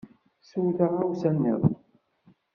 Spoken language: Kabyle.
Sew taɣawsa niḍen.